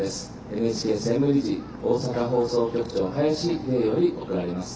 ＮＨＫ専務理事、大阪放送局長林理恵より贈られます。